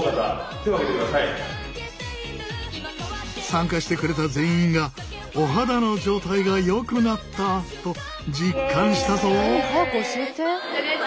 参加してくれた全員がお肌の状態がよくなったと実感したぞ。